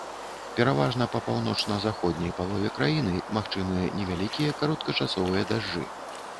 Пераважна па паўночна-заходняй палове краіны магчымыя невялікія кароткачасовыя дажджы.